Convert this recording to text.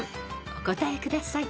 お答えください］